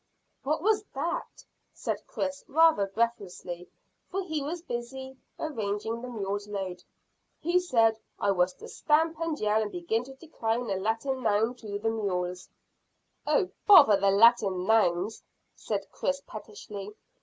"What was that?" said Chris, rather breathlessly, for he was busy arranging the mule's load. "He said I was to stamp and yell, and begin to decline a Latin noun to the mules." "Oh, bother the Latin nouns!" said Chris pettishly.